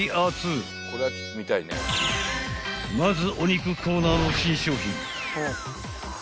［まず］